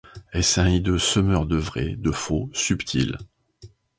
Est-ce un hideux semeur de vrai, de faux, subtil